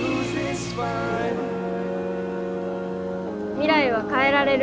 未来は変えられる。